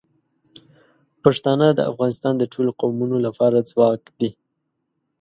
پښتانه د افغانستان د ټولو قومونو لپاره ځواک دي.